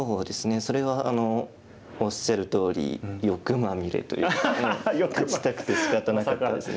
それはおっしゃるとおり欲まみれという勝ちたくてしかたなかったですね